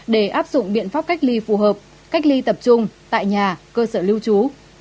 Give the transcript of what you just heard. để áp dụng biện pháp cách ly phù hợp cách ly tập trung tại nhà cơ sở lưu trú